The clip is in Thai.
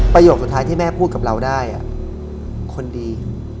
ประโยชน์สุดท้ายที่แม่พูดกับเราได้อ่ะคนดี